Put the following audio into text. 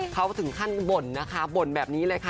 เขาถึงขั้นบ่นนะคะบ่นแบบนี้เลยค่ะ